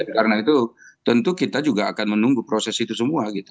karena itu tentu kita juga akan menunggu proses itu semua gitu